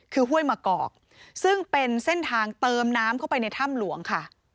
คือห้วยมะกอกซึ่งเป็นเส้นทางเติมน้ำเข้าไปในถ้ำหลวงค่ะ